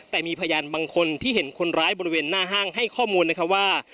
แต่มีพยานบางคนที่เห็นคนร้ายบริเวณหน้าห้างให้ข้อมูลนะคะว่า